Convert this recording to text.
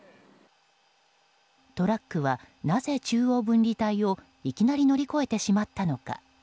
トラックはなぜ中央分離帯をいきなり乗り越えてしまったのか。